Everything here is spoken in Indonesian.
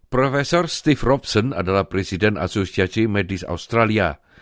prof steve robson adalah presiden asosiasi medis australia